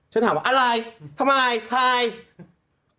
ฉันถามว่าอะไรทำไมใคร